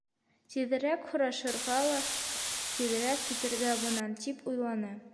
Тиҙерәк һорашырға ла, тиҙерәк китергә бынан, тип уйланы.